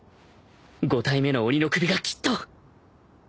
５体目の鬼の首がきっと